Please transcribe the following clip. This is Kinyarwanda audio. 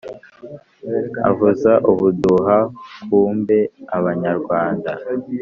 avuza ubuduha kumbe abanyarwanda